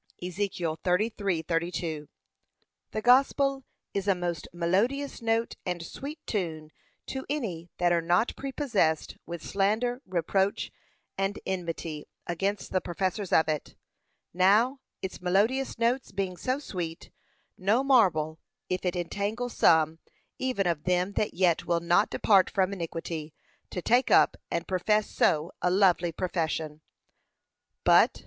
(Ezek. 33:32) The gospel is a most melodious note and sweet tune to any that are not prepossessed with slander, reproach, and enmity against the professors of it. Now, its melodious notes being so sweet, no marvel if it entangle some even of them that yet will not depart from iniquity to take up and profess so lovely a profession. But, 2.